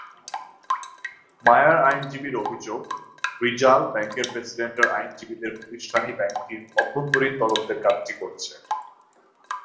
মায়ার আইনজীবীর অভিযোগ, রিজাল ব্যাংকের প্রেসিডেন্টের আইনজীবীদের প্রতিষ্ঠানই ব্যাংকটির অভ্যন্তরীণ তদন্তের কাজটি করছে।